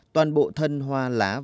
toàn bộ thân hoa lá vào cây trồng